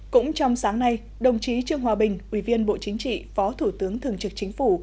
cũng trong sáng nay đồng chí trương hòa bình ủy viên bộ chính trị phó thủ tướng thường trực chính phủ